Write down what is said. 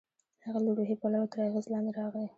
هغه له روحي پلوه تر اغېز لاندې راغی.